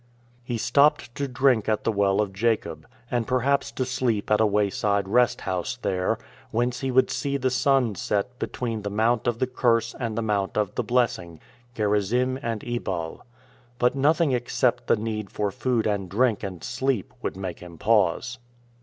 He stopped to drink at the well of Jacob, and per haps to sleep at a wayside rest house there, whence he would see the sun set between the Mount of the Curse and the Mount of the Blessing — Gerizim and Ebal. But nothing except the need for food and drink and sleep would make him pause.